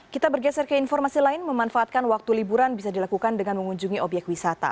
kita bergeser ke informasi lain memanfaatkan waktu liburan bisa dilakukan dengan mengunjungi obyek wisata